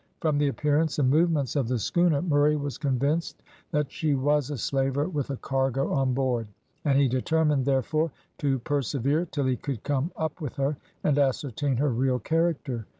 From the appearance and movements of the schooner Murray was convinced that she was a slaver with a cargo on board, and he determined therefore to persevere till he could come up with her, and ascertain her real character.